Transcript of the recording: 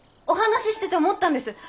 お話ししてて思ったんです！